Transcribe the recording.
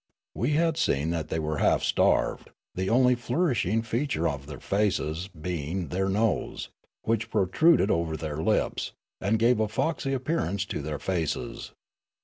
We had seen that they were half starved, the only flourishing feature of their faces being their nose, which protruded over their lips, and gave a foxy appearance to their faces.